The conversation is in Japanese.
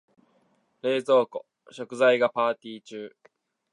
冷蔵庫、食材がパーティ中。